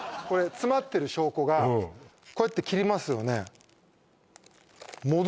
これ詰まってる証拠がこうやって切りますよね